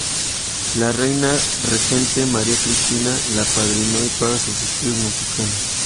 La reina regente, María Cristina, lo apadrinó y paga sus estudios musicales.